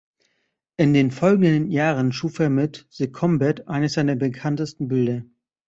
In den folgenden Jahren schuf er mit "The Combat" eines seiner bekanntesten Bilder.